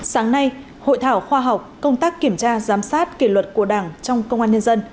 sáng nay hội thảo khoa học công tác kiểm tra giám sát kỷ luật của đảng trong công an nhân dân